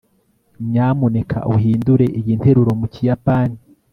nyamuneka uhindure iyi nteruro mu kiyapani